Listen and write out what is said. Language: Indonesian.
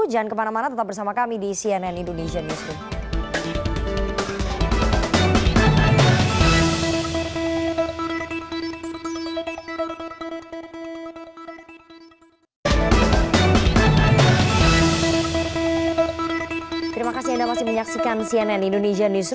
jangan kemana mana tetap bersama kami di cnn indonesian news dua